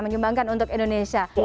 menyumbangkan untuk indonesia